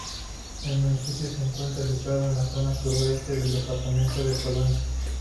El municipio se encuentra situado en la zona sureste del departamento de Colonia.